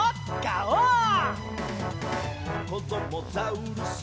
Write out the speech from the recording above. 「こどもザウルス